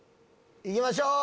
行きましょう。